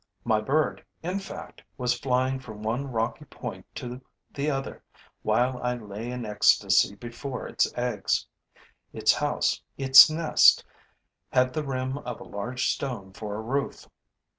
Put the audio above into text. My bird, in fact, was flying from one rocky point to the other while I lay in ecstasy before its eggs; its house, its nest, had the rim of a large stone for a roof.